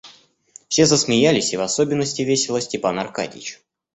Все засмеялись, и в особенности весело Степан Аркадьич.